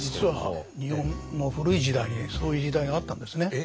実は日本の古い時代にそういう時代があったんですね。